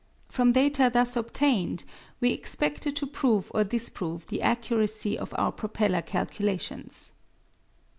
From data thus obtained we expected to prove or disprove the accuracy of our propeller calculations.